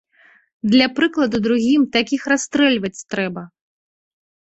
Для прыкладу другім такіх расстрэльваць трэба!